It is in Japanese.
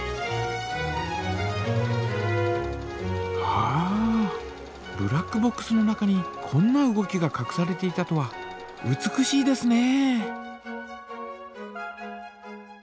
はあブラックボックスの中にこんな動きがかくされていたとは美しいですね！